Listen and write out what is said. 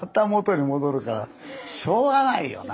しょうがないよな。